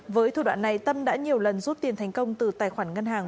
với thủ đoạn này tâm đã nhiều lần rút tiền thành công từ tài khoản ngân hàng